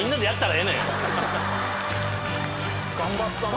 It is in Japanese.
頑張ったな。